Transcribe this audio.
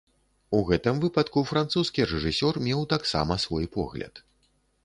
У гэтым выпадку французскі рэжысёр меў таксама свой погляд.